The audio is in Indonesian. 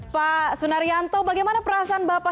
pak sunaryanto bagaimana perasaan bapak